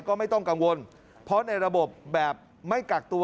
ก็ไม่ต้องกังวลเพราะในระบบแบบไม่กักตัว